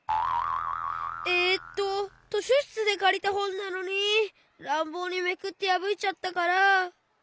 えっととしょしつでかりたほんなのにらんぼうにめくってやぶいちゃったから。